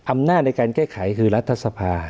อำนาจในการแก้ไขคือรัฐสภา